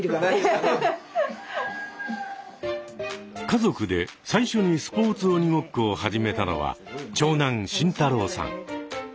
家族で最初にスポーツ鬼ごっこを始めたのは長男慎太郎さん。